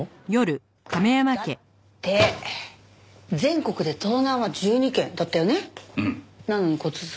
だって全国で盗難は１２件だったよね？